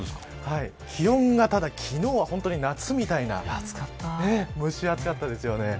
気温がただ昨日は本当に夏みたいな蒸し暑かったですよね。